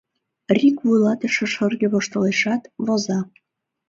Рик вуйлатыше шырге воштылешат, воза.